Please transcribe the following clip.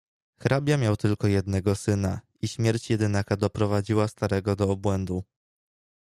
"Hrabia miał tylko jednego syna i śmierć jedynaka doprowadziła starego do obłędu."